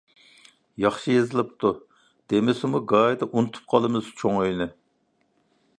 ياخشى يېزىلىپتۇ. دېمىسىمۇ گاھىدا ئۇنتۇپ قالىمىز چوڭ ئۆينى.